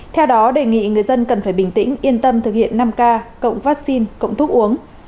theo đó đề nghị người dân cần phải bình tĩnh yên tâm thực hiện năm k cộng vaccine cộng thuốc uống